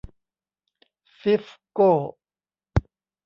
ซีฟโก้